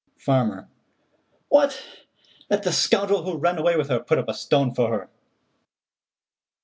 Farmer: "What! Let the scoundrel who ran away with her put up a stone for her."